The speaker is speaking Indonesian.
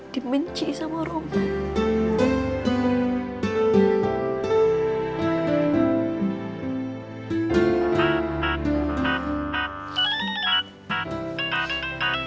dimenci sama roman